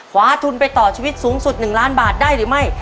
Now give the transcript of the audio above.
คว้าทุนไปต่อชีวิตสูงสุด๑ล้านบาทได้หรือไม่